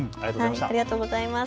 ありがとうございます。